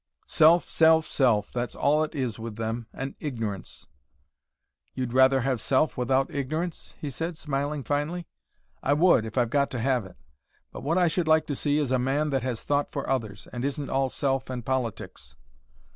Self, self, self that's all it is with them and ignorance." "You'd rather have self without ignorance?" he said, smiling finely. "I would, if I've got to have it. But what I should like to see is a man that has thought for others, and isn't all self and politics."